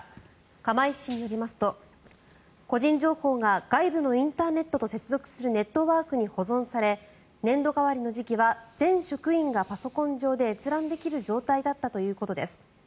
釜石市によりますと個人情報が外部のインターネットと接続するネットワークに保存され年度替わりの時期は全職員がパソコン上で閲覧できる状態だったということです。